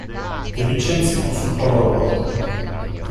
De Vincenzi consultò l'orologio.